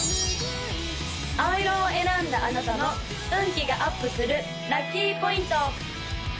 青色を選んだあなたの運気がアップするラッキーポイント！